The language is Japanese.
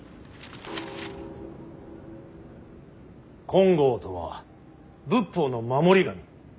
金剛とは仏法の守り神。